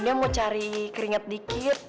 dia mau cari keringat dikit